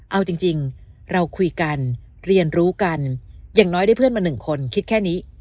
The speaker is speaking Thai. เอาจริงเราคุยกันเรียนรู้กันอย่างน้อยได้เพื่อนมาหนึ่งคนคิดแค่นี้